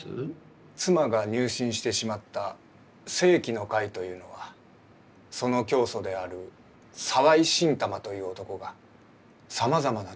妻が入信してしまった聖気の会というのはその教祖である沢井心玉という男がさまざまな超常現象を起こすらしいのです。